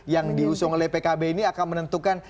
yang diusung oleh pkb ini akan menentukan